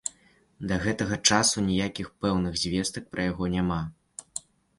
Да гэтага часу ніякіх пэўных звестак пра яго няма.